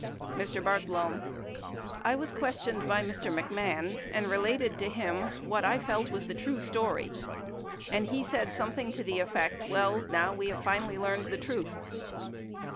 Mr. Bartlome. I was questioned by Mr. McMahon and re lated to him what I felt was the true story, and he said some thing to the effect, "Well, now we have finally learned the truth."